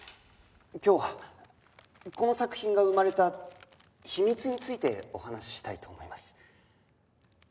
今日はこの作品が生まれた秘密についてお話ししたいと思います。